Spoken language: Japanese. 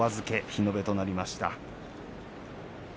日延べとなりました。